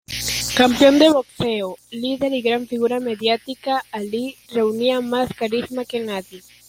Campeón de boxeo, líder y gran figura mediática, Ali reunía más carisma que nadie.